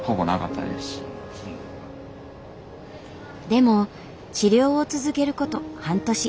でも治療を続けること半年。